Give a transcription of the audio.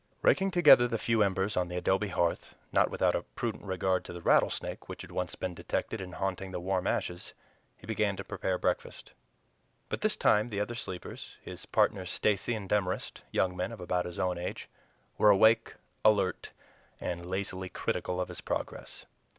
Raking together the few embers on the adobe hearth, not without a prudent regard to the rattlesnake which had once been detected in haunting the warm ashes, he began to prepare breakfast. By this time the other sleepers, his partners Stacy and Demorest, young men of about his own age, were awake, alert, and lazily critical of his progress.